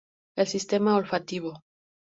El Sistema Olfativo.